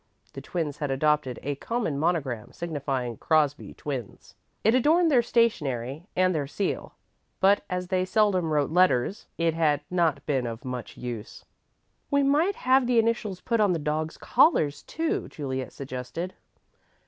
The twins had adopted a common monogram, signifying "Crosby Twins." It adorned their stationery and their seal, but, as they seldom wrote letters, it had not been of much use. "We might have the initials put on the dogs' collars, too," Juliet suggested.